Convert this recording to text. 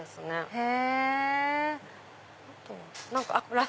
へぇ！